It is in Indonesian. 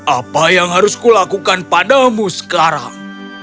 apa yang harus kulakukan padamu sekarang